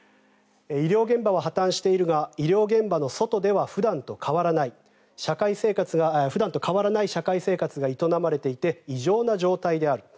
医療現場は破たんしているが医療現場の外では普段と変わらない社会生活が営まれていて異常な状態である。